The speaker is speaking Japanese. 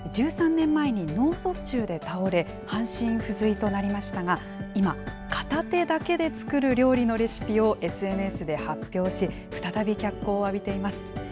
１３年前に脳卒中で倒れ、半身不随となりましたが、今、片手だけで作る料理のレシピをＳＮＳで発表し、再び脚光を浴びています。